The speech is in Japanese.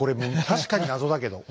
確かに謎だけど。